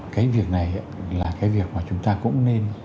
cái việc này là cái việc mà chúng ta cũng nên